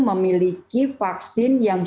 memiliki vaksin yang